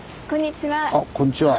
こんにちは。